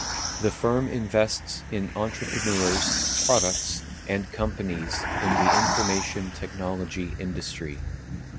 The firm invests in entrepreneurs, products, and companies in the information technology industry.